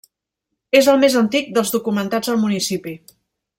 És el més antic dels documentats al municipi.